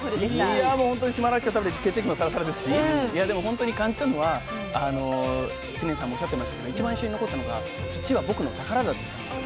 いやもうほんとに島らっきょう食べて血液もサラサラですしいやでも本当に感じたのは知念さんもおっしゃってましたが一番印象に残ったのが「土は僕の宝だ」って言ったんですよ。